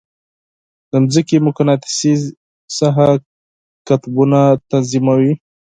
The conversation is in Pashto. د مځکې مقناطیسي ساحه قطبونه تنظیموي.